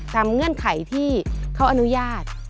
เงื่อนไขที่เขาอนุญาต